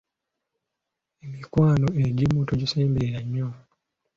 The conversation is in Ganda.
Emikwano egimu togisembera nnyo.